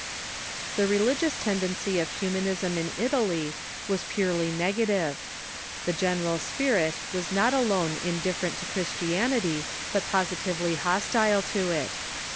The religious tendency of Humanism in Italy was purely 14 210 THE KEFORMATION negative. The general spirit was not alone indifferent to „,.. Christianity, but positively hostile to it.